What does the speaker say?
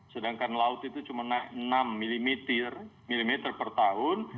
sedangkan laut itu cuma naik enam mm per tahun